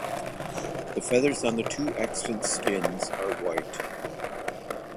The feathers on the two extant skins are white.